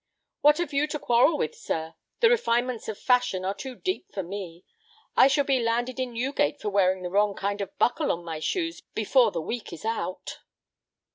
"What have you to quarrel with, sir? The refinements of fashion are too deep for me. I shall be landed in Newgate for wearing the wrong kind of buckle on my shoes before the week is out."